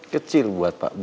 kecil buat pak b